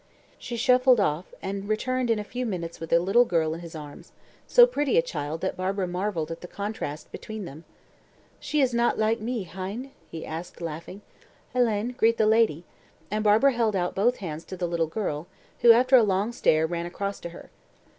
He shuffled off, and returned in a few minutes with a little girl in his arms: so pretty a child that Barbara marvelled at the contrast between them. "She is not like me, hein?" he asked, laughing. "Hélène, greet the lady," and Barbara held out both hands to the little girl, who, after a long stare, ran across to her.